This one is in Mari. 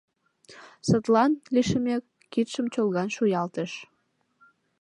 Садлан, лишеммек, кид-шым чолган шуялтыш.